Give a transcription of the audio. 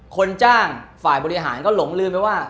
คนจ้างฝ่ายบริหารก็หลงลืมไปว่า